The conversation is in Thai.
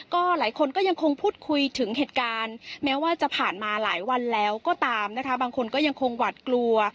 ก็หลายคนก็ยังคงพูดคุยถึงเหตุการณ์แม้ว่าจะผ่านมาหลายวันแล้วก็ตามนะคะบางคนก็ยังคงหวัดกลัว